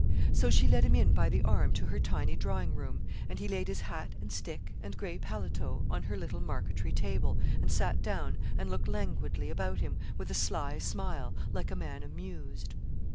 So she led him in by the arm to her tiny drawing room; and he laid his hat and stick, and gray paletot, on her little marquetrie table, and sat down, and looked languidly about him, with a sly smile, like a man amused.